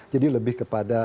jadi lebih kepada